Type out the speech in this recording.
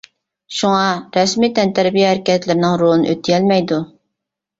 شۇڭا رەسمىي تەنتەربىيە ھەرىكەتلىرىنىڭ رولىنى ئۆتىيەلمەيدۇ.